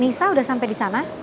nisa sudah sampai di sana